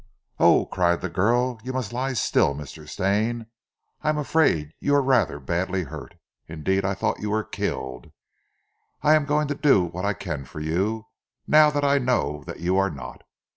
"Oh!" cried the girl. "You must lie still, Mr. Stane. I am afraid you are rather badly hurt, indeed I thought you were killed. I am going to do what I can for you, now that I know that you are not.